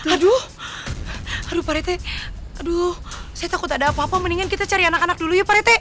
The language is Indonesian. aduh aduh parete aduh saya takut ada apa apa mendingan kita cari anak anak dulu ya pak rete